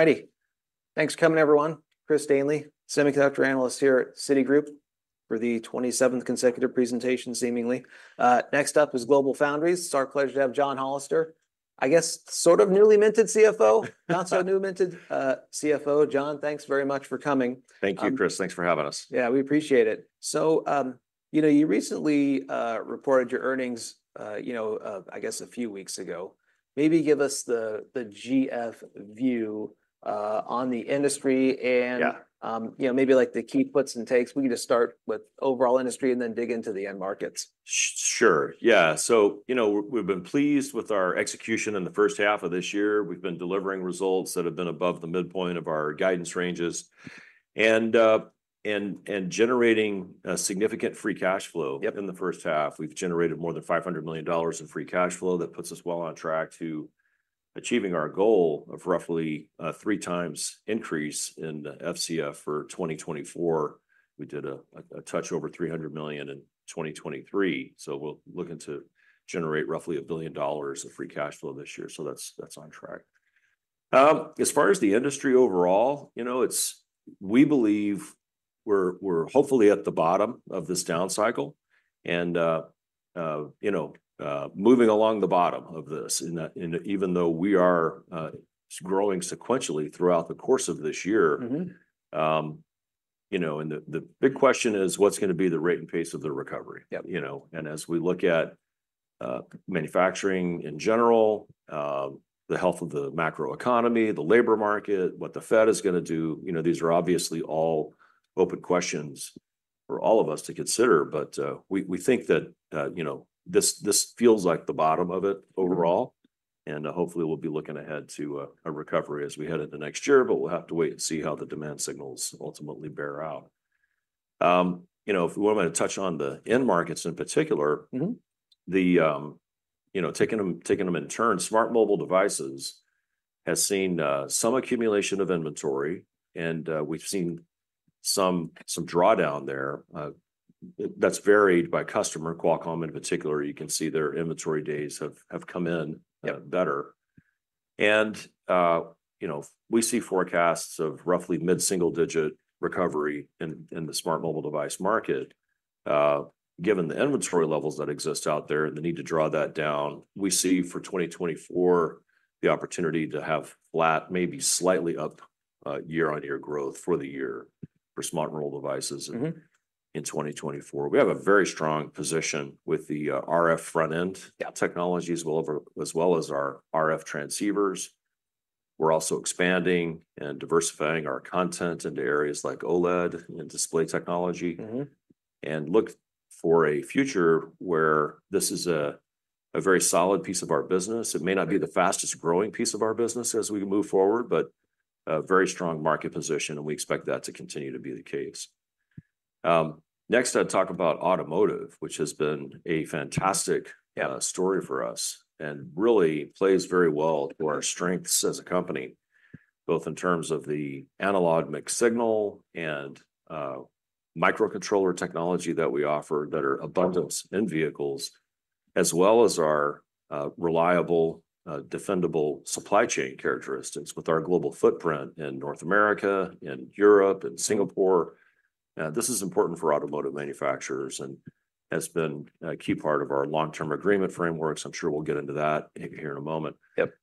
All righty. Thanks for coming, everyone. Chris Danely, semiconductor analyst here at Citigroup, for the 27th consecutive presentation, seemingly. Next up is GlobalFoundries. It's our pleasure to have John Hollister, I guess sort of newly minted CFO, not so new minted CFO. John, thanks very much for coming. Thank you, Chris. Thanks for having us. Yeah, we appreciate it. So, you know, you recently reported your earnings, you know, I guess a few weeks ago. Maybe give us the GF view on the industry, and- Yeah... you know, maybe, like, the key puts and takes. We can just start with overall industry, and then dig into the end markets. Sure, yeah. So, you know, we've been pleased with our execution in the H1 of this year. We've been delivering results that have been above the midpoint of our guidance ranges. And generating a significant free cashflow in the H1. We've generated more than $500 million in free cash flow. That puts us well on track to achieving our goal of roughly a 3x increase in the FCF for 2024. We did a touch over $300 million in 2023, so we're looking to generate roughly $1 billion of free cash flow this year, so that's on track. As far as the industry overall, you know, it's... We believe we're hopefully at the bottom of this down cycle, and you know, moving along the bottom of this, and even though we are growing sequentially throughout the course of this year- Mm-hmm.... you know, and the big question is, what's gonna be the rate and pace of the recovery? Yep. You know, and as we look at, manufacturing in general, the health of the macroeconomy, the labor market, what the Fed is gonna do, you know, these are obviously all open questions for all of us to consider. But, we think that, you know, this feels like the bottom of it overall. And hopefully we'll be looking ahead to a recovery as we head into next year, but we'll have to wait and see how the demand signals ultimately bear out. You know, if you want me to touch on the end markets in particular- Mm-hmm... the, you know, taking them in turn, smart mobile devices has seen some accumulation of inventory, and, we've seen some drawdown there. That's varied by customer. Qualcomm, in particular, you can see their inventory days have come in- Yep... better, and you know, we see forecasts of roughly mid-single-digit recovery in the smart mobile device market. Given the inventory levels that exist out there, and the need to draw that down, we see for 2024 the opportunity to have flat, maybe slightly up, year-on-year growth for the year for smart mobile devices- Mm-hmm... in 2024. We have a very strong position with the RF front-end- Yeah. Technologies, well over, as well as our RF transceivers. We're also expanding and diversifying our content into areas like OLED and display technology. Mm-hmm. Look for a future where this is a very solid piece of our business. Yeah. It may not be the fastest-growing piece of our business as we move forward, but a very strong market position, and we expect that to continue to be the case. Next, I'll talk about automotive, which has been a fantastic and story for us, and really plays very well to our strengths as a company, both in terms of the analog mixed signal and microcontroller technology that we offer, that are abundant in vehicles, as well as our reliable defensible supply chain characteristics with our global footprint in North America, in Europe, in Singapore. This is important for automotive manufacturers, and has been a key part of our long-term agreement frameworks. I'm sure we'll get into that here in a moment. Yep.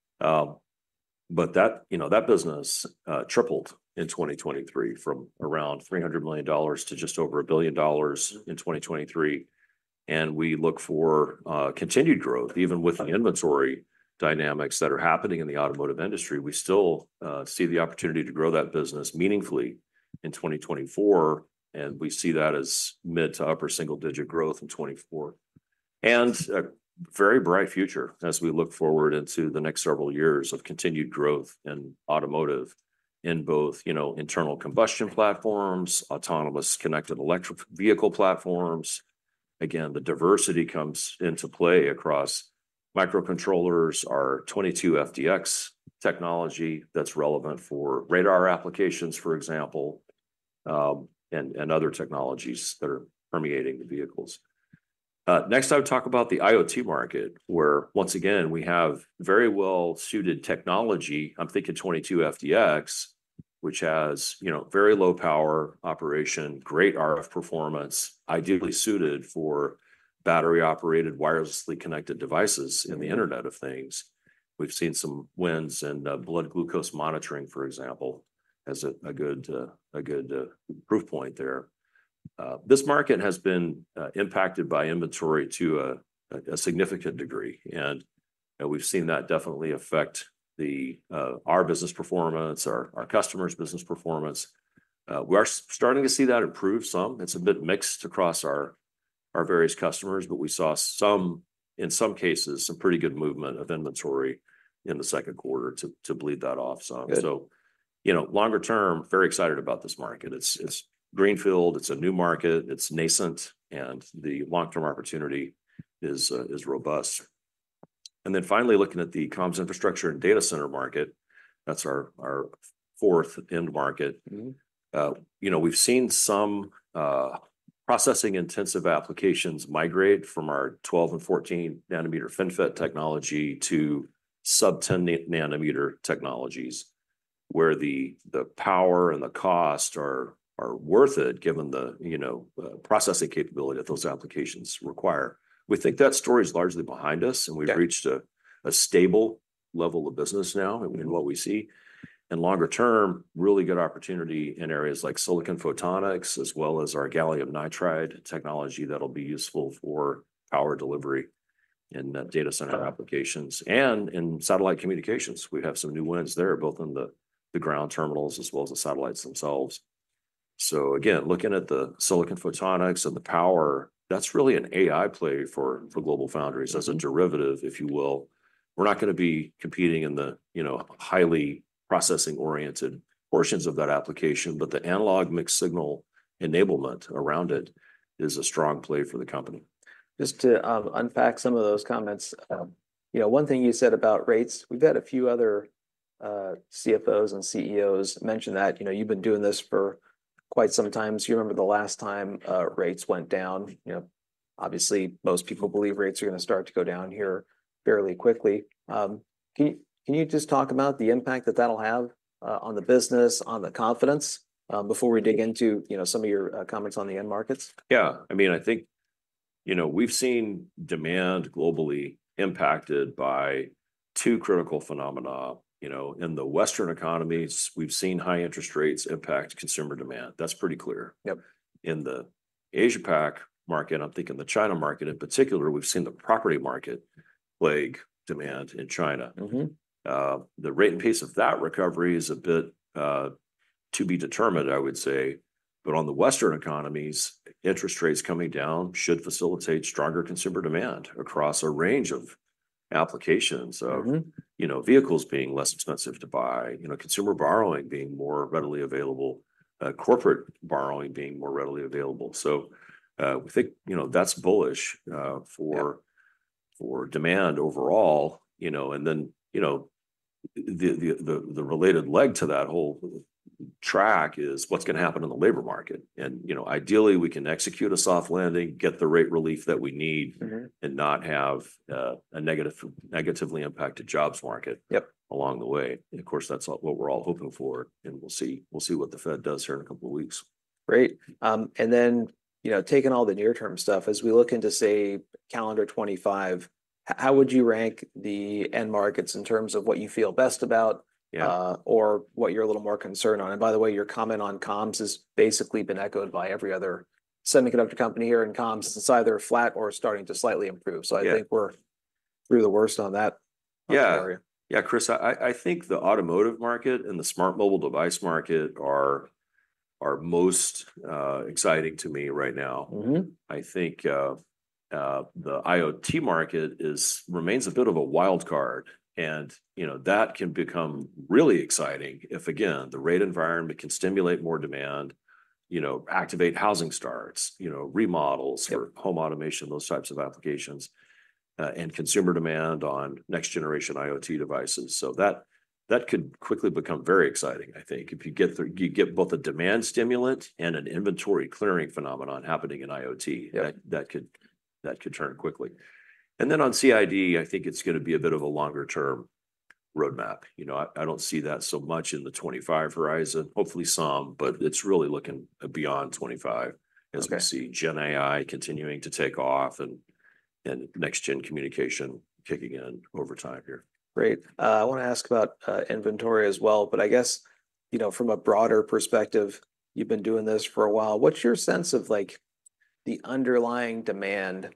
But that, you know, that business tripled in 2023, from around $300 million to just over $1 billion in 2023, and we look for continued growth. Even with the inventory dynamics that are happening in the automotive industry, we still see the opportunity to grow that business meaningfully in 2024, and we see that as mid to upper single-digit growth in 2024. And a very bright future as we look forward into the next several years of continued growth in automotive, in both, you know, internal combustion platforms, autonomous connected electric vehicle platforms. Again, the diversity comes into play across microcontrollers, our 22FDX technology, that's relevant for radar applications, for example, and other technologies that are permeating the vehicles. Next I'll talk about the IoT market, where once again, we have very well-suited technology. I'm thinking 22FDX, which has, you know, very low power operation, great RF performance, ideally suited for battery-operated, wirelessly connected devices in the Internet of Things. We've seen some wins in blood glucose monitoring, for example, as a good proof point there. This market has been impacted by inventory to a significant degree, and we've seen that definitely affect our business performance, our customers' business performance. We are starting to see that improve some. It's a bit mixed across our various customers, but we saw some in some cases some pretty good movement of inventory in the Q2 to bleed that off some. Good. So, you know, longer term, very excited about this market. It's greenfield, it's a new market, it's nascent, and the long-term opportunity is robust. And then finally, looking at the comms infrastructure and data center market, that's our fourth end market. Mm-hmm. You know, we've seen some processing-intensive applications migrate from our 12 and 14-nanometer FinFET technology to sub-10-nanometer technologies, where the power and the cost are worth it, given the, you know, processing capability that those applications require. We think that story is largely behind us and we've reached a stable level of business now in what we see, and longer term, really good opportunity in areas like silicon photonics, as well as our gallium nitride technology that'll be useful for power delivery in data center applications. In satellite communications, we have some new wins there, both in the ground terminals as well as the satellites themselves. Again, looking at the silicon photonics and the power, that's really an AI play for GlobalFoundries as a derivative, if you will. We're not going to be competing in the, you know, highly processing-oriented portions of that application, but the analog mixed signal enablement around it is a strong play for the company. Just to unpack some of those comments, you know, one thing you said about rates, we've had a few other CFOs and CEOs mention that. You know, you've been doing this for quite some time. You remember the last time rates went down. You know, obviously, most people believe rates are going to start to go down here fairly quickly. Can you just talk about the impact that that'll have on the business, on the confidence before we dig into, you know, some of your comments on the end markets? Yeah. I mean, I think, you know, we've seen demand globally impacted by two critical phenomena. You know, in the Western economies, we've seen high interest rates impact consumer demand. That's pretty clear. Yep. In the Asia Pac market, I'm thinking the China market in particular, we've seen the property market plague demand in China. Mm-hmm. The rate and pace of that recovery is a bit, to be determined, I would say. But on the Western economies, interest rates coming down should facilitate stronger consumer demand across a range of applications of- Mm-hmm.... you know, vehicles being less expensive to buy, you know, consumer borrowing being more readily available, corporate borrowing being more readily available. So, we think, you know, that's bullish, Yeah.... for demand overall, you know, and then, you know, the related leg to that whole track is what's going to happen in the labor market, and, you know, ideally, we can execute a soft landing, get the rate relief that we need- Mm-hmm.... and not have a negatively impacted jobs market- Yep.... along the way, and of course, that's what we're all hoping for, and we'll see. We'll see what the Fed does here in a couple of weeks. Great. And then, you know, taking all the near-term stuff, as we look into, say, calendar 2025, how would you rank the end markets in terms of what you feel best about- Yeah.... or what you're a little more concerned on? And by the way, your comment on comms has basically been echoed by every other semiconductor company here in comms. It's either flat or starting to slightly improve. Yeah. So I think we're through the worst on that area. Yeah. Yeah, Chris, I think the automotive market and the smart mobile device market are most exciting to me right now. Mm-hmm. I think, the IoT market remains a bit of a wild card, and, you know, that can become really exciting if, again, the rate environment can stimulate more demand, you know, activate housing starts, you know, remodels for home automation, those types of applications, and consumer demand on next-generation IoT devices. So that could quickly become very exciting, I think. If you get you get both a demand stimulant and an inventory clearing phenomenon happening in IoT could turn quickly. And then on CID, I think it's going to be a bit of a longer-term roadmap. You know, I don't see that so much in the 2025 horizon. Hopefully some, but it's really looking beyond 2025- Okay... as we see GenAI continuing to take off and, and next-gen communication kicking in over time here. Great. I want to ask about inventory as well, but I guess, you know, from a broader perspective, you've been doing this for a while. What's your sense of, like, the underlying demand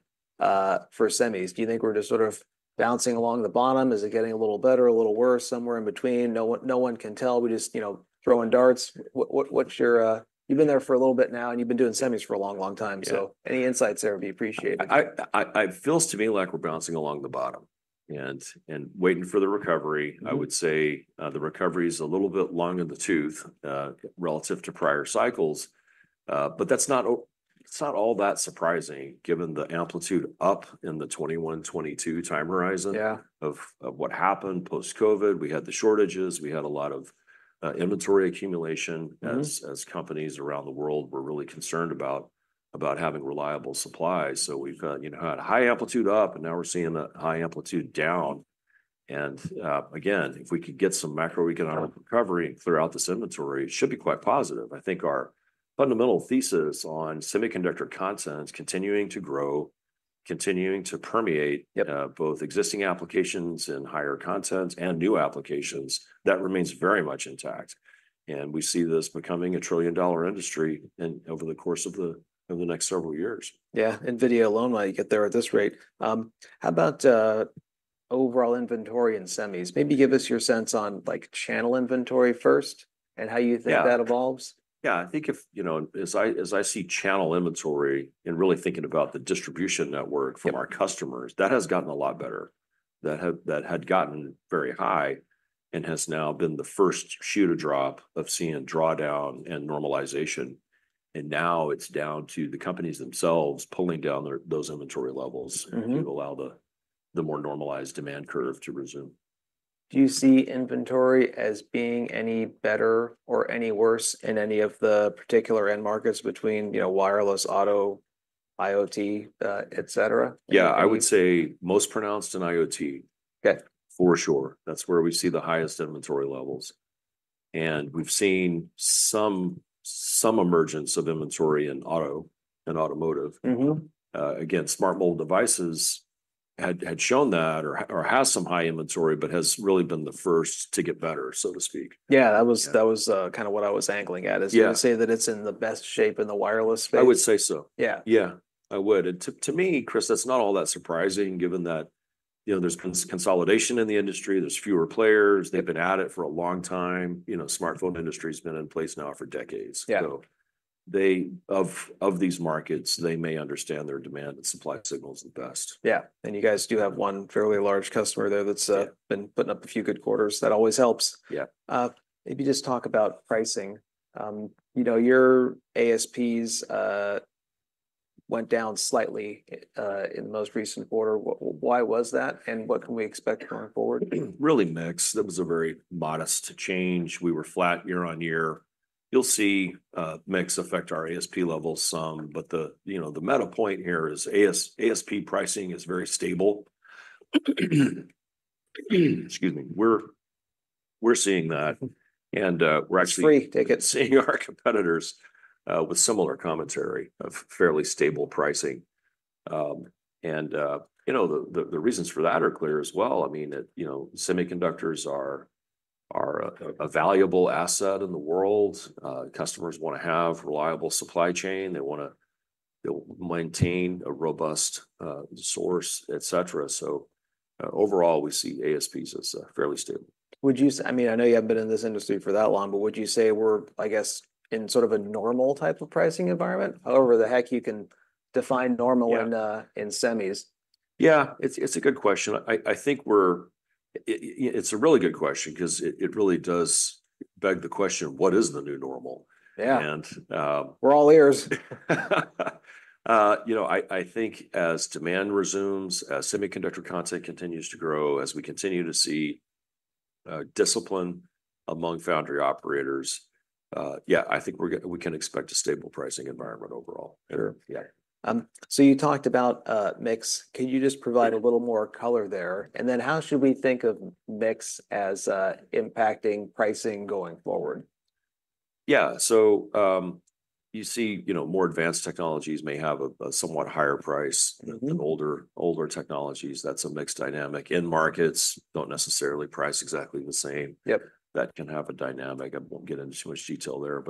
for semis? Do you think we're just sort of bouncing along the bottom? Is it getting a little better, a little worse, somewhere in between? No one, no one can tell. We're just, you know, throwing darts. What's your... You've been there for a little bit now, and you've been doing semis for a long, long time. Yeah. Any insights there would be appreciated. It feels to me like we're bouncing along the bottom and waiting for the recovery. Mm-hmm. I would say, the recovery is a little bit long in the tooth, relative to prior cycles. But that's not, it's not all that surprising given the amplitude up in the 2021 and 2022 time horizon- Yeah.... of what happened post-COVID. We had the shortages, we had a lot of inventory accumulation- Mm-hmm.... as companies around the world were really concerned about having reliable supplies. So we've got, you know, had a high amplitude up, and now we're seeing a high amplitude down. And again, if we could get some macroeconomic recovery throughout this inventory, it should be quite positive. I think our fundamental thesis on semiconductor content continuing to grow, continuing to permeate- Yep.... both existing applications and higher contents and new applications, that remains very much intact, and we see this becoming a trillion-dollar industry in over the course of the next several years. Yeah, NVIDIA alone might get there at this rate. How about overall inventory in semis? Maybe give us your sense on, like, channel inventory first and how you think- Yeah... that evolves. Yeah. I think if, you know, as I see channel inventory and really thinking about the distribution network- Yep..... from our customers, that has gotten a lot better. That had gotten very high and has now been the first shoe to drop of seeing drawdown and normalization, and now it's down to the companies themselves pulling down their-those inventory levels- Mm-hmm... and allow the more normalized demand curve to resume. Do you see inventory as being any better or any worse in any of the particular end markets between, you know, wireless, auto, IoT, et cetera? Yeah, I would say most pronounced in IoT. Okay. For sure. That's where we see the highest inventory levels, and we've seen some emergence of inventory in auto, in automotive. Mm-hmm. Again, smartphone devices had shown that or has some high inventory, but has really been the first to get better, so to speak. Yeah, that was, that was, kind of what I was angling at, is- Yeah... to say that it's in the best shape in the wireless space? I would say so. Yeah. Yeah, I would. And to me, Chris, that's not all that surprising, given that, you know, there's consolidation in the industry, there's fewer players, they've been at it for a long time. You know, smartphone industry's been in place now for decades. Yeah. They, of these markets, they may understand their demand and supply signals the best. Yeah, and you guys do have one fairly large customer there that's, Yeah.... been putting up a few good quarters. That always helps. Yeah. Maybe just talk about pricing. You know, your ASPs went down slightly in the most recent quarter. Why was that, and what can we expect going forward? Really mixed. That was a very modest change. We were flat year on year. You'll see, mix affect our ASP levels some, but the, you know, the meta point here is ASP pricing is very stable. Excuse me. We're seeing that, and we're actually- It's free. Take it.... seeing our competitors with similar commentary of fairly stable pricing. You know the reasons for that are clear as well. I mean that you know semiconductors are a valuable asset in the world. Customers wanna have reliable supply chain. They wanna. They'll maintain a robust source et cetera. So overall we see ASPs as fairly stable. Would you say... I mean, I know you haven't been in this industry for that long, but would you say we're, I guess, in sort of a normal type of pricing environment? However the heck you can define normal- Yeah... in semis. Yeah, it's a good question. I think it's a really good question 'cause it really does beg the question: What is the new normal? Yeah. And, um- We're all ears. You know, I think as demand resumes, semiconductor content continues to grow, as we continue to see discipline among foundry operators. Yeah, I think we can expect a stable pricing environment overall. Sure. Yeah. So you talked about mix. Can you just provide a little more color there? And then how should we think of mix as impacting pricing going forward? Yeah, so, you see, you know, more advanced technologies may have a somewhat higher price- Mm-hmm.... than older technologies. That's a mixed dynamic. End markets don't necessarily price exactly the same. Yep. That can have a dynamic. I won't get into too much detail there,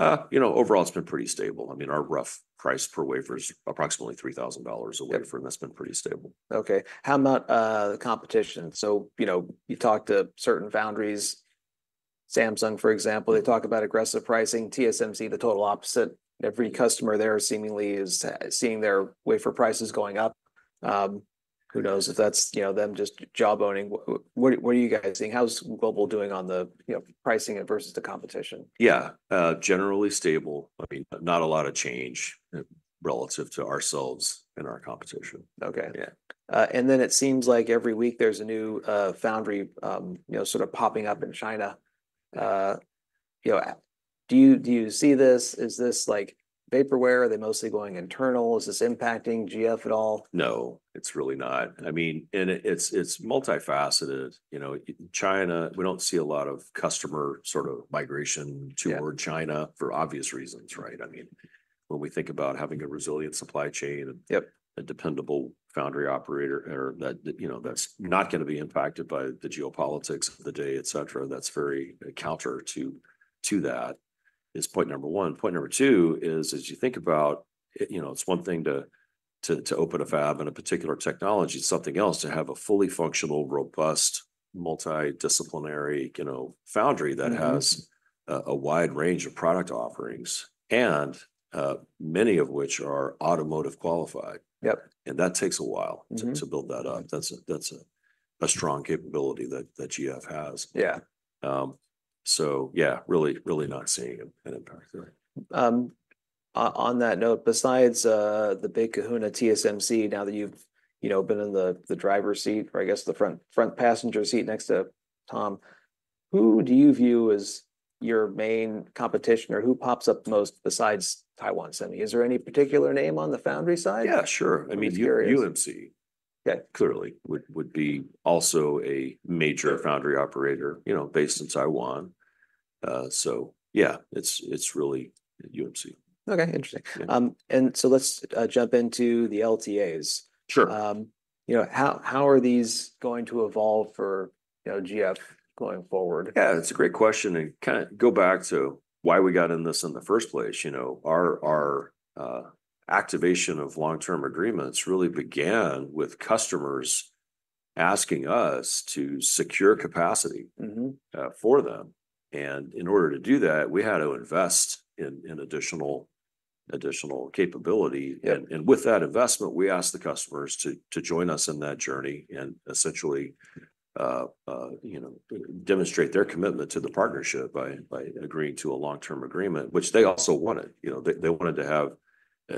but, you know, overall it's been pretty stable. I mean, our rough price per wafer is approximately $3,000 a wafer and that's been pretty stable. Okay, how about the competition? So, you know, you talk to certain foundries, Samsung, for example, they talk about aggressive pricing. TSMC, the total opposite. Every customer there seemingly is seeing their wafer prices going up. Who knows if that's, you know, them just jawboning? What are you guys seeing? How's Global doing on the, you know, pricing versus the competition? Yeah. Generally stable. I mean, not a lot of change, relative to ourselves and our competition. Okay. Yeah. And then it seems like every week there's a new foundry, you know, sort of popping up in China. You know, do you see this? Is this, like, vaporware? Are they mostly going internal? Is this impacting GF at all? No, it's really not. I mean, it's multifaceted. You know, China, we don't see a lot of customer sort of migration- Yeah.... toward China for obvious reasons, right? I mean, when we think about having a resilient supply chain and- Yep.... a dependable foundry operator, or that, you know, that's not gonna be impacted by the geopolitics of the day, et cetera, that's very counter to that, is point number one. Point number two is, as you think about, you know, it's one thing to open a fab in a particular technology. It's something else to have a fully functional, robust, multidisciplinary, you know, foundry that has- Mm-hmm.... a wide range of product offerings, and, many of which are automotive qualified. Yep. And that takes a while. Mm-hmm.... to build that up. That's a strong capability that GF has. Yeah. So yeah, really, really not seeing an impact there. On that note, besides the big kahuna, TSMC, now that you've, you know, been in the driver's seat or I guess the front passenger seat next to Tom, who do you view as your main competition, or who pops up the most besides Taiwan Semi? Is there any particular name on the foundry side? Yeah, sure. I'm just curious. I mean, UMC- Yeah.... clearly, would be also a major foundry operator, you know, based in Taiwan. So yeah, it's, it's really UMC. Okay, interesting. Yeah. Let's jump into the LTAs. Sure. You know, how are these going to evolve for, you know, GF going forward? Yeah, it's a great question, and kind of go back to why we got in this in the first place. You know, our activation of long-term agreements really began with customers asking us to secure capacity- Mm-hmm.... for them, and in order to do that, we had to invest in additional capability. And with that investment, we asked the customers to join us in that journey and essentially, you know, demonstrate their commitment to the partnership by agreeing to a long-term agreement, which they also wanted.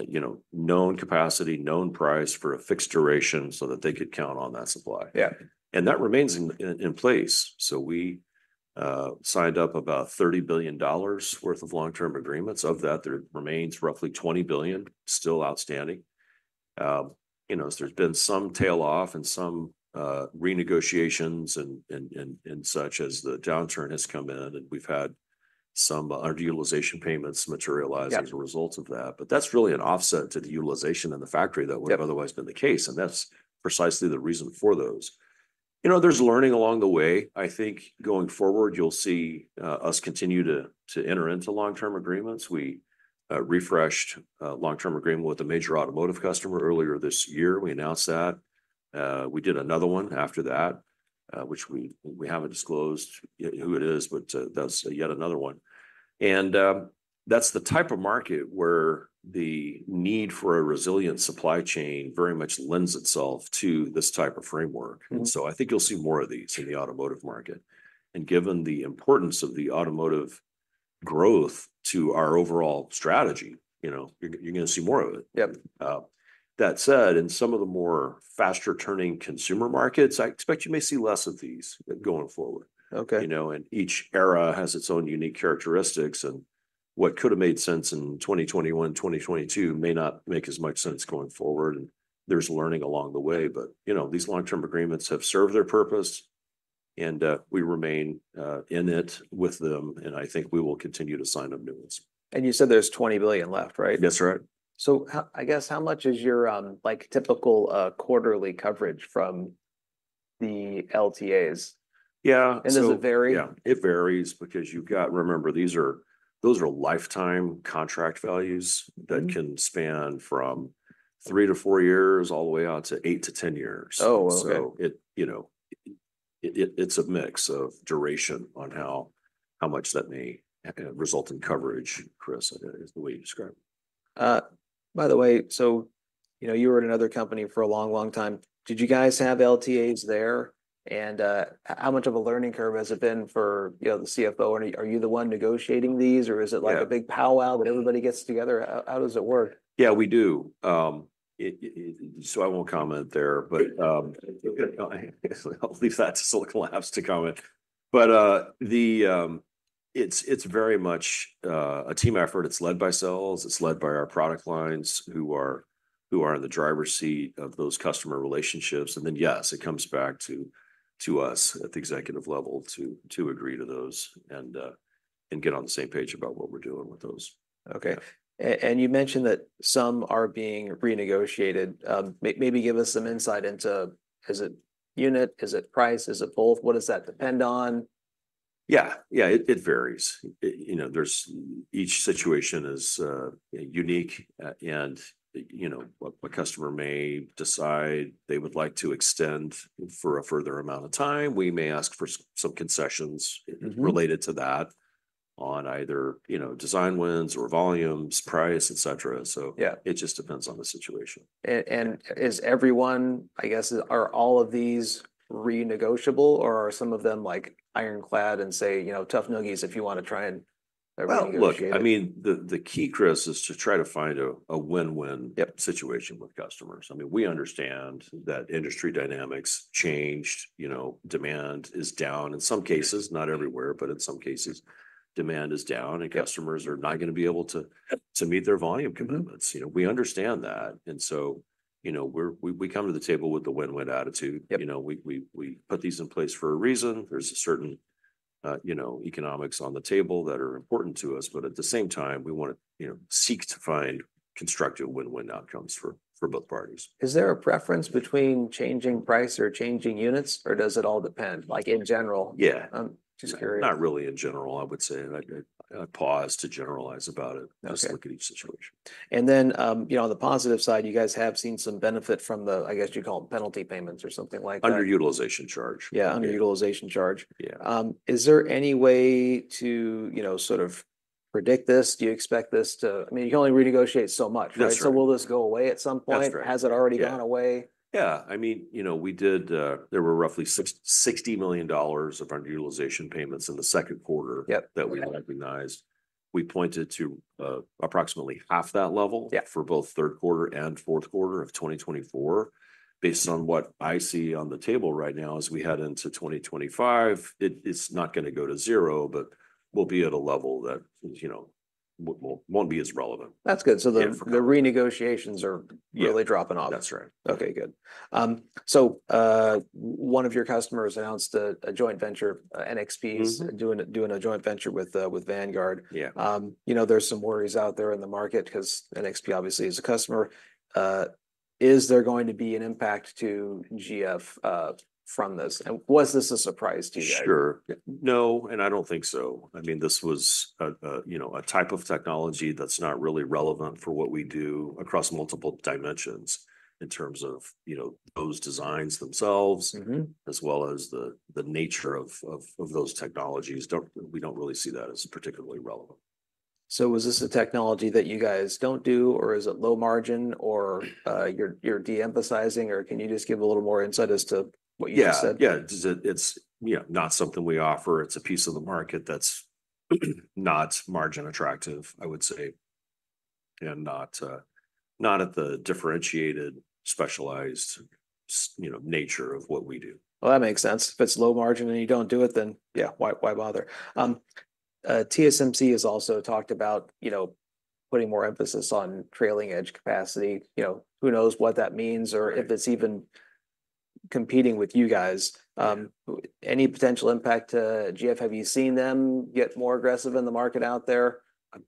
You know, they wanted to have known capacity, known price for a fixed duration so that they could count on that supply. Yeah. And that remains in place, so we signed up about $30 billion worth of long-term agreements. Of that, there remains roughly $20 billion still outstanding. You know, so there's been some tail off and some renegotiations and such as the downturn has come in, and we've had some under-utilization payments materialize- Yeah.... as a result of that. But that's really an offset to the utilization in the factory- Yeah.... that would've otherwise been the case, and that's precisely the reason for those. You know, there's learning along the way. I think going forward you'll see us continue to enter into long-term agreements. We refreshed a long-term agreement with a major automotive customer earlier this year. We announced that. We did another one after that, which we haven't disclosed who it is, but that's yet another one. And that's the type of market where the need for a resilient supply chain very much lends itself to this type of framework. Mm. I think you'll see more of these in the automotive market, and given the importance of the automotive growth to our overall strategy, you know, you're gonna see more of it. Yep. That said, in some of the more faster-turning consumer markets, I expect you may see less of these going forward. Okay. You know, and each era has its own unique characteristics, and what could have made sense in 2021, 2022 may not make as much sense going forward, and there's learning along the way. But, you know, these long-term agreements have served their purpose, and we remain in it with them, and I think we will continue to sign up new ones. You said there's $20 billion left, right? That's right. So, I guess, how much is your, like, typical quarterly coverage from the LTAs? Yeah, so- Does it vary? Yeah, it varies because you've got... Remember, these are, those are lifetime contract values- Mm.... that can span from three to four years, all the way out to eight to 10 years. Oh, okay. So, you know, it's a mix of duration on how much that may result in coverage, Chris, is the way you describe it. By the way, so, you know, you were at another company for a long, long time. Did you guys have LTAs there? And, how much of a learning curve has it been for, you know, the CFO? Are you the one negotiating these, or is it, like- Yeah.... a big powwow that everybody gets together? How, how does it work? Yeah, we do. So I won't comment there, but I'll leave that to Silicon Labs to comment. But it's very much a team effort. It's led by sales, it's led by our product lines, who are in the driver's seat of those customer relationships. And then, yes, it comes back to us at the executive level to agree to those and get on the same page about what we're doing with those. Okay. And you mentioned that some are being renegotiated. Maybe give us some insight into, is it unit, is it price, is it both? What does that depend on? Yeah, yeah, it varies. It, you know, there's... Each situation is unique, and, you know, a customer may decide they would like to extend for a further amount of time. We may ask for some concessions- Mm-hmm.... related to that on either, you know, design wins or volumes, price, et cetera. So- Yeah.... it just depends on the situation. Is everyone, I guess, are all of these renegotiable, or are some of them, like, ironclad and say, you know, tough noogies, if you want to try and renegotiate? Look, I mean, the key, Chris, is to try to find a win-win- Yep.... situation with customers. I mean, we understand that industry dynamics changed. You know, demand is down in some cases, not everywhere, but in some cases demand is down- Yep.... and customers are not gonna be able to- Yep.... to meet their volume commitments. You know, we understand that, and so, you know, we come to the table with a win-win attitude. Yep. You know, we put these in place for a reason. There's a certain, you know, economics on the table that are important to us, but at the same time, we want to, you know, seek to find constructive win-win outcomes for both parties. Is there a preference between changing price or changing units, or does it all depend? Like, in general. Yeah. I'm just curious. Not really in general, I would say. I'd pause to generalize about it. Okay.... just look at each situation. And then, you know, on the positive side, you guys have seen some benefit from the, I guess you call it penalty payments or something like that. Under-utilization charge. Yeah, under-utilization charge. Yeah. Is there any way to, you know, sort of predict this? Do you expect this to... I mean, you can only renegotiate so much, right? That's right. Will this go away at some point? That's right. Has it already gone away? Yeah. Yeah, I mean, you know, we did, there were roughly six- $60 million of under-utilization payments in the Q2- Yep.... that we recognized. We pointed to, approximately half that level- Yeah.... for both Q3 and Q4 of 2024. Based on what I see on the table right now, as we head into 2025, it is not gonna go to zero, but we'll be at a level that, you know, won't be as relevant. That's good. Yeah. The renegotiations are- Yeah.... really dropping off. That's right. Okay, good. So, one of your customers announced a joint venture, NXP- Mm-hmm.... is doing a joint venture with Vanguard. Yeah. you know, there's some worries out there in the market because NXP obviously is a customer. Is there going to be an impact to GF from this? And was this a surprise to you guys? Sure. Yeah. No, and I don't think so. I mean, this was a, you know, a type of technology that's not really relevant for what we do across multiple dimensions in terms of, you know, those designs themselves- Mm-hmm.... as well as the nature of those technologies. We don't really see that as particularly relevant. So is this a technology that you guys don't do, or is it low margin, or you're de-emphasizing, or can you just give a little more insight as to what you just said? Yeah, yeah. Just that it's, yeah, not something we offer. It's a piece of the market that's not margin attractive, I would say... and not at the differentiated, specialized, you know, nature of what we do. That makes sense. If it's low margin and you don't do it, then yeah, why bother? TSMC has also talked about, you know, putting more emphasis on trailing-edge capacity. You know, who knows what that means or if it's even competing with you guys. Any potential impact to GF? Have you seen them get more aggressive in the market out there?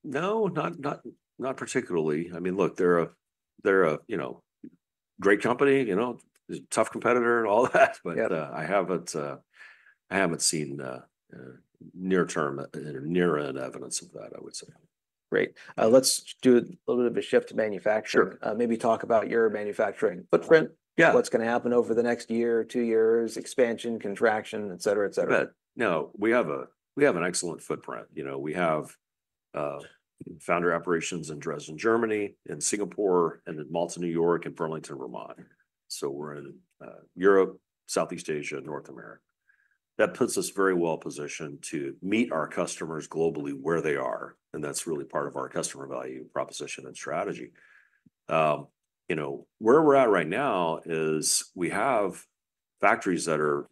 No, not particularly. I mean, look, they're a great company, you know, a tough competitor and all that. Yeah. But, I haven't seen near-term near-end evidence of that, I would say. Great. Let's do a little bit of a shift to manufacturing. Sure. Maybe talk about your manufacturing footprint. Yeah. What's going to happen over the next year or two years, expansion, contraction, et cetera, et cetera? You bet. No, we have an excellent footprint. You know, we have foundry operations in Dresden, Germany, in Singapore, and in Malta, New York, and Burlington, Vermont. So we're in Europe, Southeast Asia, and North America. That puts us very well positioned to meet our customers globally where they are, and that's really part of our customer value proposition and strategy. You know, where we're at right now is, we have factories that are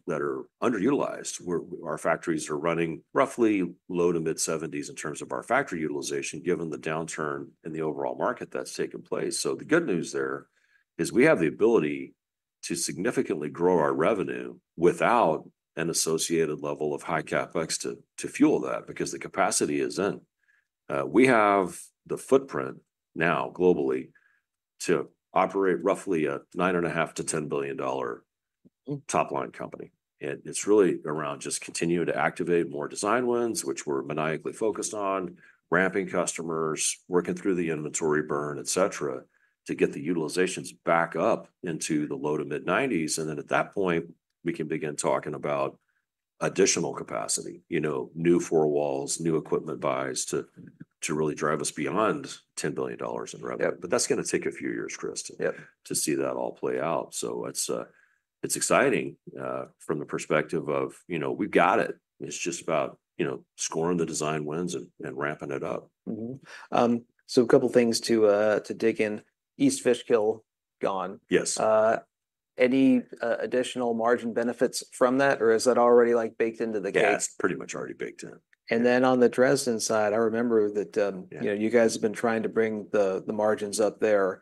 underutilized, where our factories are running roughly low to mid-70s in terms of our factory utilization, given the downturn in the overall market that's taken place. So the good news there is we have the ability to significantly grow our revenue without an associated level of high CapEx to fuel that, because the capacity is in. We have the footprint now globally to operate roughly $9.5-$10 billion dollar top-line company, and it's really around just continuing to activate more design wins, which we're maniacally focused on, ramping customers, working through the inventory burn, et cetera, to get the utilizations back up into the low- to mid-90s. And then at that point, we can begin talking about additional capacity, you know, new four walls, new equipment buys, to really drive us beyond $10 billion in revenue. Yeah. But that's going to take a few years, Chris- Yeah.... to see that all play out. So it's, it's exciting, from the perspective of, you know, we've got it. It's just about, you know, scoring the design wins and ramping it up. Mm-hmm. So a couple things to dig in. East Fishkill, gone. Yes. Any additional margin benefits from that, or is that already, like, baked into the cake? Yeah, it's pretty much already baked in. And then on the Dresden side, I remember that. Yeah... you guys have been trying to bring the margins up there.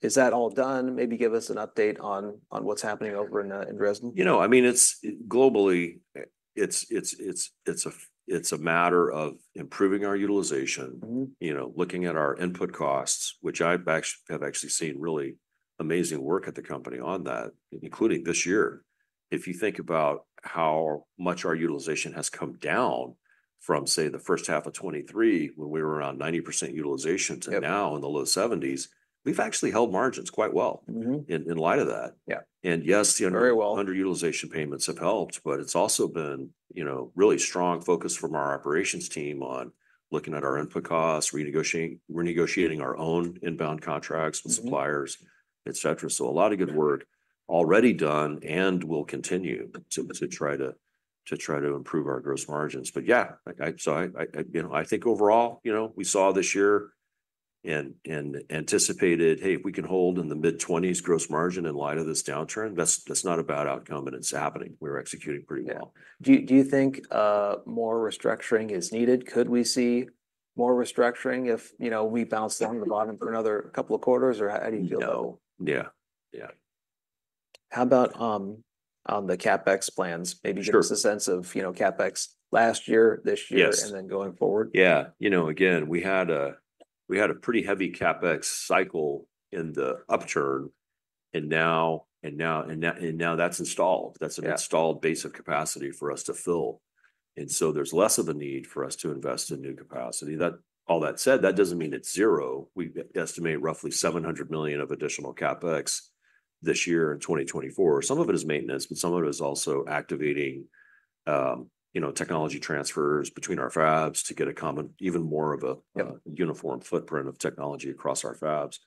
Is that all done? Maybe give us an update on what's happening over in Dresden. You know, I mean, it's globally a matter of improving our utilization- Mm-hmm.... you know, looking at our input costs, which I've actually seen really amazing work at the company on that, including this year. If you think about how much our utilization has come down from, say, the H1 of 2023, when we were around 90% utilization- Yeah,... to now in the low 70s%, we've actually held margins quite well. Mm-hmm.... in light of that. Yeah. Yes, the, very well, underutilization payments have helped, but it's also been, you know, really strong focus from our operations team on looking at our input costs, renegotiating our own inbound contracts- Mm-hmm.... with suppliers, et cetera. So a lot of good work already done and will continue to try to improve our gross margins. But yeah, like I... So I, you know, I think overall, you know, we saw this year and anticipated, hey, if we can hold in the mid-20s gross margin in light of this downturn, that's not a bad outcome, and it's happening. We're executing pretty well. Yeah. Do you think more restructuring is needed? Could we see more restructuring if, you know, we bounce down to the bottom for another couple of quarters, or how do you feel? No. Yeah, yeah. How about, on the CapEx plans? Sure. Maybe give us a sense of, you know, CapEx last year, this year? Yes. And then going forward. Yeah. You know, again, we had a pretty heavy CapEx cycle in the upturn, and now that's installed. Yeah. That's an installed base of capacity for us to fill, and so there's less of a need for us to invest in new capacity. That all said, that doesn't mean it's zero. We estimate roughly $700 million of additional CapEx this year in 2024. Some of it is maintenance, but some of it is also activating, you know, technology transfers between our fabs to get a common, even more of a- Yeah.... a uniform footprint of technology across our fabs,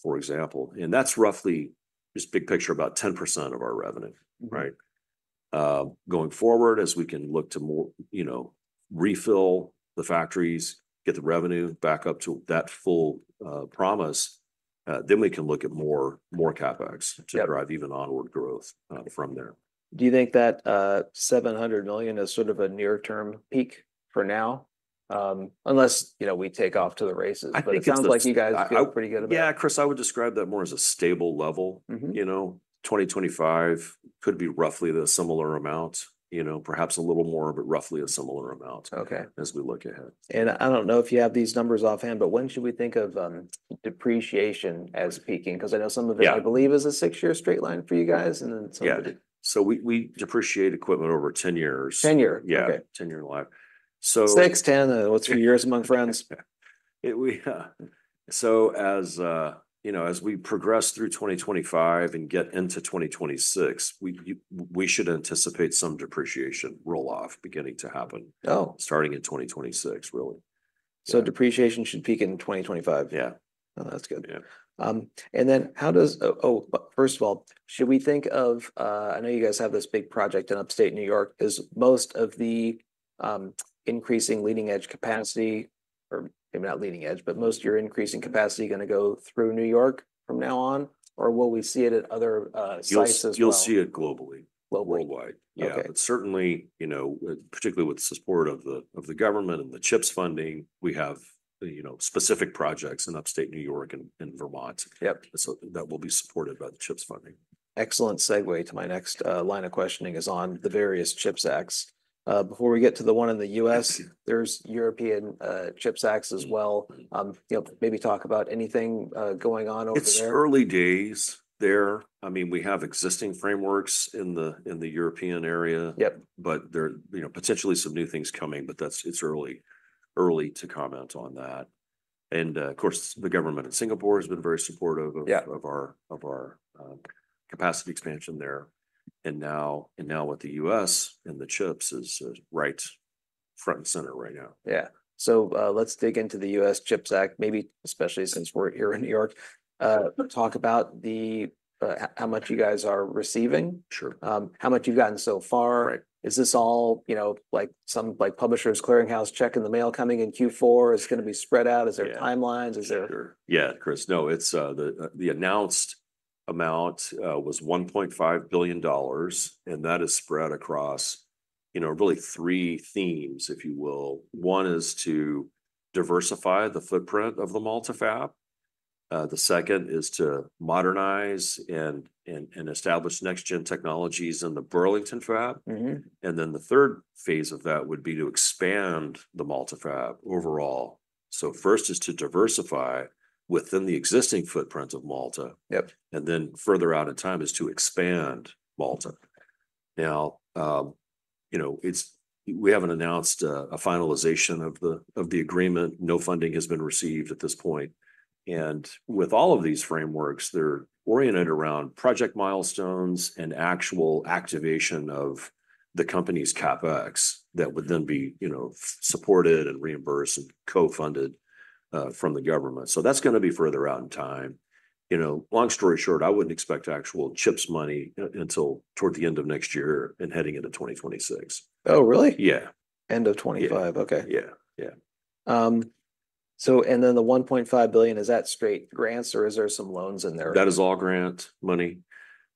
for example, and that's roughly, just big picture, about 10% of our revenue. Mm-hmm. Right? Going forward, as we can look to more... You know, refill the factories, get the revenue back up to that full promise, then we can look at more CapEx- Yeah.... to drive even onward growth, from there. Do you think that $700 million is sort of a near-term peak for now? Unless, you know, we take off to the races- I think it's the- But it sounds like you guys feel pretty good about it. Yeah, Chris, I would describe that more as a stable level. Mm-hmm. You know, 2025 could be roughly the similar amount, you know, perhaps a little more, but roughly a similar amount- Okay.... as we look ahead. And I don't know if you have these numbers offhand, but when should we think of depreciation as peaking? 'Cause I kn.ow some of it. I believe, is a six-year straight line for you guys, and then some of it- Yeah, so we depreciate equipment over ten years. Ten years? Yeah. Okay. Ten-year life. So- Six, ten, what's a few years among friends? We. So as you know, as we progress through 2025 and get into 2026, we should anticipate some depreciation roll-off beginning to happen. Oh.... starting in 2026, really. Yeah. So depreciation should peak in 2025? Yeah. Oh, that's good. Yeah. First of all, should we think of, I know you guys have this big project in upstate New York. Is most of the increasing leading-edge capacity, or maybe not leading edge, but most of your increasing capacity gonna go through New York from now on? Or will we see it at other sites as well? You'll see it globally. Globally. Worldwide. Okay. Yeah, but certainly, you know, with particularly with the support of the government and the CHIPS funding, we have, you know, specific projects in Upstate New York and Vermont. Yep.... so that will be supported by the CHIPS funding. Excellent segue to my next line of questioning is on the various CHIPS Acts. Before we get to the one in the U.S. there's European CHIPS Acts as well. Mm. You know, maybe talk about anything going on over there. It's early days there. I mean, we have existing frameworks in the European area. Yep. But there, you know, potentially some new things coming, but that's- it's early, early to comment on that. And, of course, the government in Singapore has been very supportive of- Yeah.... of our capacity expansion there. And now with the U.S. and the CHIPS is right front and center right now. Yeah. So, let's dig into the U.S. CHIPS Act, maybe especially since we're here in New York. Talk about how much you guys are receiving. Sure. How much you've gotten so far. Right. Is this all, you know, like, some, like, Publishers Clearing House check in the mail coming in Q4? Is it gonna be spread out? Yeah. Is there timelines? Sure. Yeah, Chris, no, it's the announced amount was $1.5 billion, and that is spread across, you know, really three themes, if you will. One is to diversify the footprint of the Malta fab. The second is to modernize and establish next-gen technologies in the Burlington fab. Mm-hmm. And then the third phase of that would be to expand the Malta fab overall. So first is to diversify within the existing footprint of Malta. Yep. And then further out in time is to expand Malta. Now, you know, it's. We haven't announced a finalization of the, of the agreement. No funding has been received at this point. And with all of these frameworks, they're oriented around project milestones and actual activation of the company's CapEx that would then be, you know, supported and reimbursed and co-funded from the government. So that's gonna be further out in time. You know, long story short, I wouldn't expect actual CHIPS money until toward the end of next year and heading into 2026. Oh, really? Yeah. End of 2025? Yeah. Okay. Yeah, yeah. So and then the $1.5 billion, is that straight grants, or is there some loans in there? That is all grant money,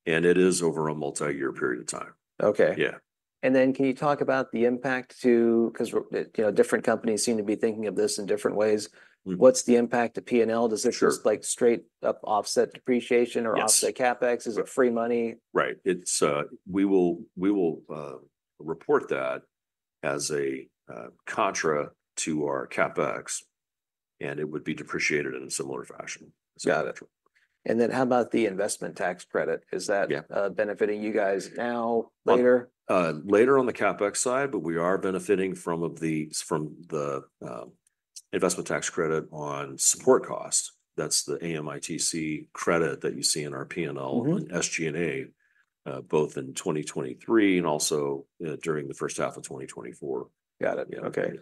and it is over a multi-year period of time. Okay. Yeah. And then can you talk about the impact to... 'Cause, you know, different companies seem to be thinking of this in different ways. Mm. What's the impact to P&L? Sure. Does this just, like, straight up offset depreciation- Yes.... or offset CapEx? Yeah. Is it free money? Right. It's we will report that as a contra to our CapEx, and it would be depreciated in a similar fashion. Got it. So, yeah. How about the investment tax credit? Yeah. Is that benefiting you guys now, later? Later on the CapEx side, but we are benefiting from the investment tax credit on support costs. That's the AMITC credit that you see in our P&L- Mm-hmm.... and SG&A, both in 2023 and also during the H1 of 2024. Got it. Yeah. O.kay.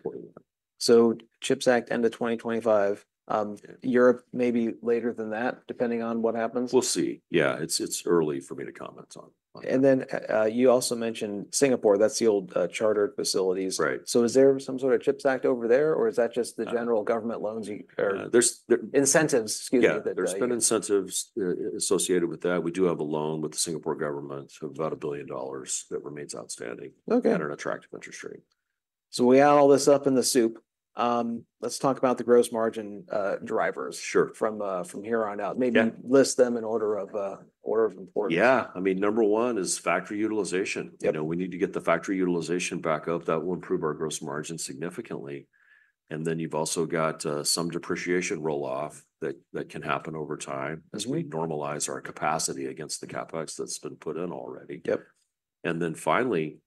2024. CHIPS Act, end of 2025, Europe maybe later than that, depending on what happens? We'll see. Yeah, it's early for me to comment on that. And then, you also mentioned Singapore. That's the old, chartered facilities. Right. So, is there some sort of CHIPS Act over there, or is that just the general government loans you, or- There's Excuse me. Yeah.... that, There's been incentives, associated with that. We do have a loan with the Singapore government of about $1 billion that remains outstanding- Okay.... at an attractive interest rate. So we add all this up in the soup, let's talk about the gross margin drivers. Sure.... from here on out. Yeah. Maybe list them in order of importance. Yeah. I mean, number one is factory utilization. Yep. You know, we need to get the factory utilization back up. That will improve our gross margin significantly. And then you've also got some depreciation roll-off that can happen over time. Mm-hmm.... as we normalize our capacity against the CapEx that's been put in already. Yep. And then finally,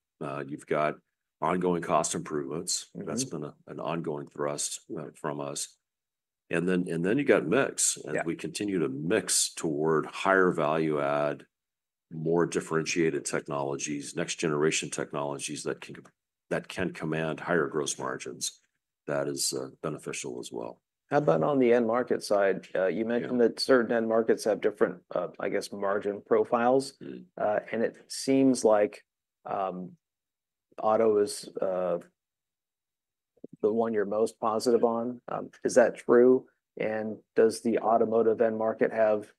you've got ongoing cost improvements. Mm-hmm. That's been an ongoing thrust- Yeah.... from us. And then, and then you've got mix. Yeah. We continue to mix toward higher value add, more differentiated technologies, next-generation technologies that can command higher gross margins. That is beneficial as well. How about on the end market side? You mentioned- Yeah.... that certain end markets have different, I guess, margin profiles. Mm. And it seems like auto is the one you're most positive on. Is that true? And does the automotive end market have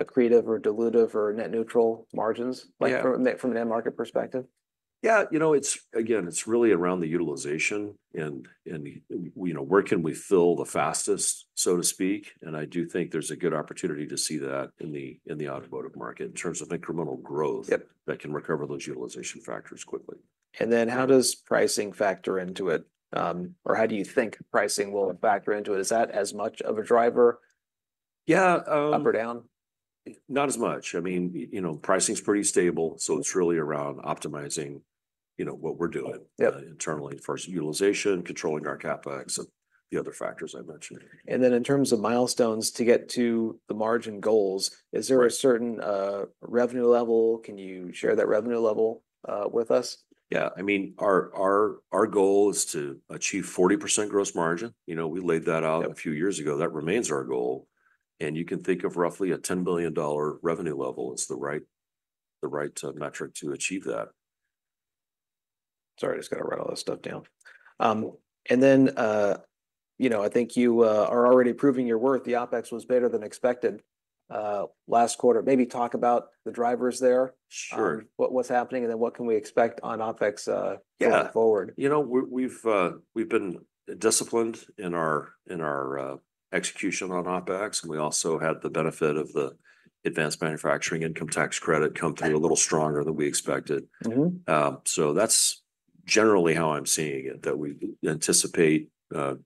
accretive or dilutive or net neutral margins- Yeah.... like, from an end market perspective? Yeah. You know, it's, again, it's really around the utilization and you know, where can we fill the fastest, so to speak. And I do think there's a good opportunity to see that in the automotive market in terms of incremental growth- Yep.... that can recover those utilization factors quickly. And then how does pricing factor into it? Or how do you think pricing will factor into it? Is that as much of a driver? Yeah, um- Up or down? Not as much. I mean, you know, pricing's pretty stable, so it's really around optimizing, you know, what we're doing- Yep.... internally. First, utilization, controlling our CapEx, and the other factors I mentioned. And then in terms of milestones, to get to the margin goals... Right.... is there a certain revenue level? Can you share that revenue level with us? Yeah. I mean, our goal is to achieve 40% gross margin. You know, we laid that out- Yep.... a few years ago. That remains our goal, and you can think of roughly a $10 billion revenue level as the right metric to achieve that. Sorry, I just got to write all this stuff down, and then, you know, I think you are already proving your worth. The OpEx was better than expected last quarter. Maybe talk about the drivers there. Sure. What, what's happening, and then what can we expect on OpEx Yeah. -going forward? You know, we've been disciplined in our execution on OpEx, and we also had the benefit of the advanced manufacturing investment tax credit come through. Right. A little stronger than we expected. Mm-hmm. So that's generally how I'm seeing it, that we anticipate,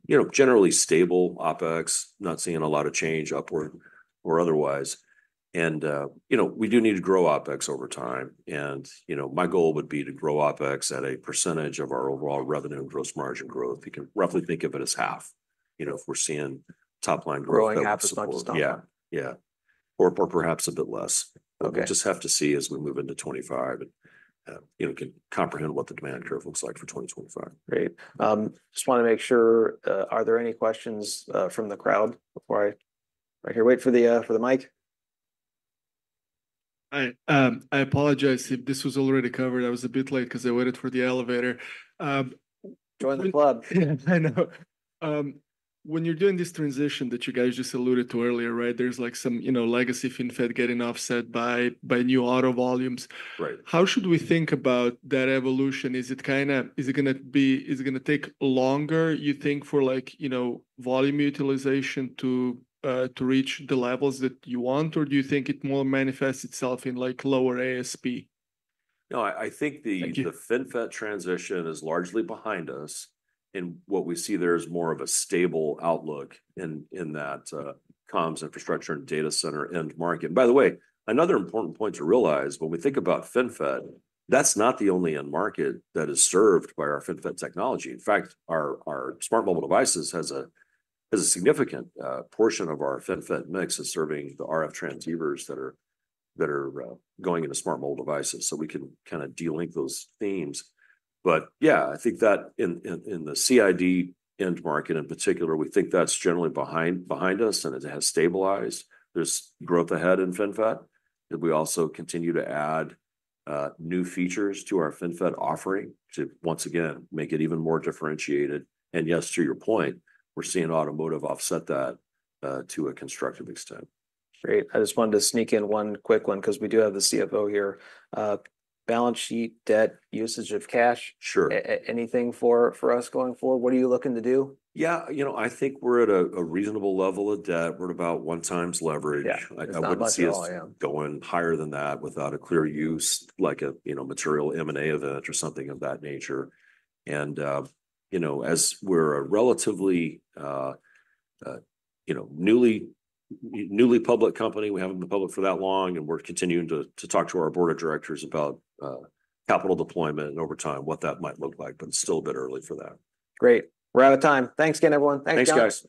you know, generally stable OpEx, not seeing a lot of change upward or otherwise. And, you know, we do need to grow OpEx over time. And, you know, my goal would be to grow OpEx at a percentage of our overall revenue and gross margin growth. You can roughly think of it as half, you know, if we're seeing top-line growth- Growing half as much as done. Yeah. Yeah, or, or perhaps a bit less. Okay. We'll just have to see as we move into 2025, and you know, can comprehend what the demand curve looks like for 2025. Great. Just want to make sure, are there any questions from the crowd before I... Right here. Wait for the mic. I apologize if this was already covered. I was a bit late 'cause I waited for the elevator. Join the club. I know. When you're doing this transition that you guys just alluded to earlier, right, there's, like, some, you know, legacy FinFET getting offset by new auto volumes. Right. How should we think about that evolution? Is it kind of going to take longer, you think, for like, you know, volume utilization to reach the levels that you want? Or do you think it more manifests itself in, like, lower ASP? No, I think the- Thank you.... the FinFET transition is largely behind us, and what we see there is more of a stable outlook in that comms, infrastructure, and data center end market. By the way, another important point to realize when we think about FinFET, that's not the only end market that is served by our FinFET technology. In fact, our smart mobile devices has a significant portion of our FinFET mix is serving the RF transceivers that are going into smart mobile devices. So we can kind of de-link those themes. But yeah, I think that in the CID end market in particular, we think that's generally behind us, and it has stabilized. There's growth ahead in FinFET, and we also continue to add new features to our FinFET offering to, once again, make it even more differentiated. And yes, to your point, we're seeing automotive offset that, to a constructive extent. Great. I just wanted to sneak in one quick one, 'cause we do have the CFO here. Balance sheet, debt, usage of cash- Sure... anything for us going forward? What are you looking to do? Yeah. You know, I think we're at a reasonable level of debt. We're at about one times leverage. Yeah. I wouldn't see us- Not much at all, yeah.... going higher than that without a clear use, like a you know material M&A event or something of that nature, and you know as we're a relatively you know newly public company, we haven't been public for that long, and we're continuing to talk to our board of directors about capital deployment and over time what that might look like, but it's still a bit early for that. Great. We're out of time. Thanks again, everyone. Thanks, John. Thanks, guys.